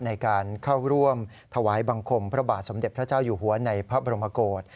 ในการเข้าร่วมถวายบังคมพระบาทสมเด็จพระเจ้าอยู่หัวในพระบรมโกศ